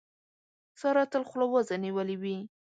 سارا تل خوله وازه نيولې وي.